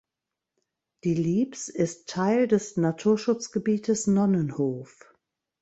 Die Lieps ist Teil des "Naturschutzgebietes Nonnenhof".